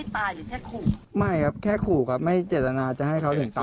ปำว่าประมาณสองวันที่แล้วพวกเขาก็มาทำลายรถถวงครับ